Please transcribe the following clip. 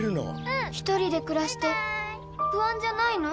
一人で暮らして不安じゃないの？